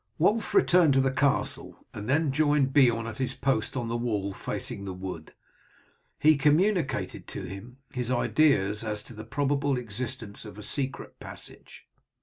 Wulf returned to the castle, and then joined Beorn at his post on the wall facing the wood. He communicated to him his ideas as to the probable existence of a secret passage.